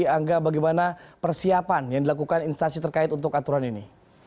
angga bagaimana persiapan yang dilakukan instansi terkait untuk aturan ini